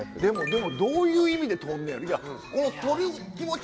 でもどういう意味で撮んねやろ。